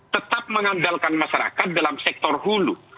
tetap mengandalkan masyarakat dalam sektor hulu